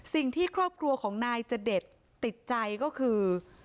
สิ่งที่ครอบครัวของนายจเดชติดใจก็คือ